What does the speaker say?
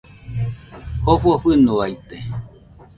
Jofo fɨnoaite